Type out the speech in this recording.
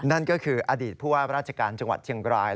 นั่นก็คืออดีตผู้ว่าราชการจังหวัดเชียงราย